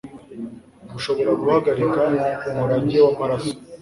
gushobora guhagarika umurage wamaraso